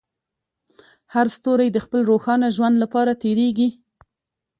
هر ستوری د خپل روښانه ژوند لپاره تېرېږي.